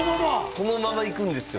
このままいくんですよ